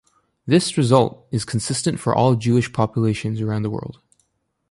This result is consistent for all Jewish populations around the world.